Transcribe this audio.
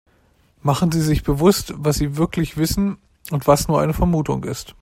Machen Sie sich bewusst, was sie wirklich wissen und was nur eine Vermutung ist.